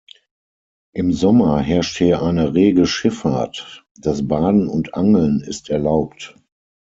Im Sommer herrscht hier eine rege Schifffahrt, das Baden und Angeln ist erlaubt.